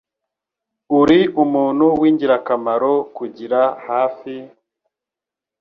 Uri umuntu w'ingirakamaro kugira hafi, .